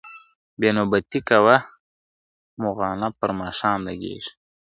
بې نوبتي کوه مُغانه پر ما ښه لګیږي `